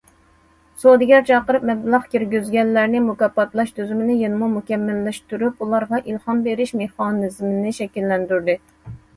سودىگەر چاقىرىپ مەبلەغ كىرگۈزگەنلەرنى مۇكاپاتلاش تۈزۈمىنى يەنىمۇ مۇكەممەللەشتۈرۈپ، ئۇلارغا ئىلھام بېرىش مېخانىزمىنى شەكىللەندۈردى.